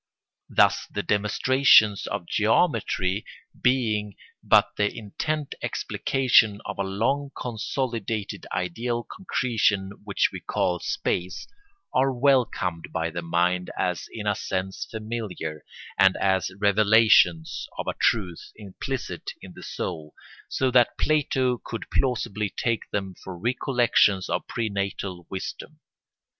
Thus the demonstrations of geometry being but the intent explication of a long consolidated ideal concretion which we call space, are welcomed by the mind as in a sense familiar and as revelations of a truth implicit in the soul, so that Plato could plausibly take them for recollections of prenatal wisdom.